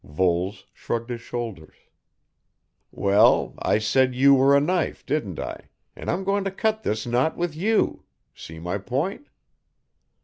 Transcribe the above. Voles shrugged his shoulders. "Well, I said you were a knife, didn't I, and I'm going to cut this knot with you, see my point?"